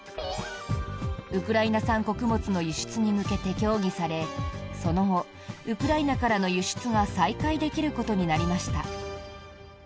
ウクライナ産穀物の輸出に向けて協議されその後、ウクライナからの輸出が再開できることになりました。